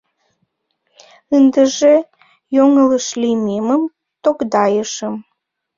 Ындыже йоҥылыш лиймемым тогдайышым.